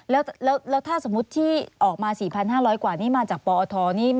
แล้วถ้าสมมุติที่ออกมา๔๕๐๐กว่านี่มาจากปอทนี่